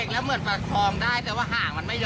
และนี่มันก็ดันดันมาละกันมาเลย